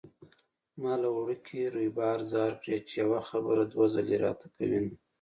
ما له وړوکي ريبار ځار کړې چې يوه خبره دوه ځلې راته کوينه